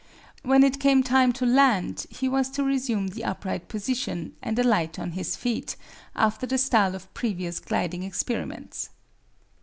When it came time to land he was to resume the upright position and alight on his feet, after the style of previous gliding experiments.